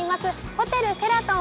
ホテルシェラトン